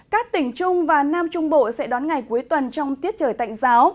các tỉnh trung và nam trung bộ sẽ đón ngày cuối tuần trong tiết trời tạnh giáo